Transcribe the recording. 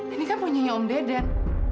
ini kan punya om deden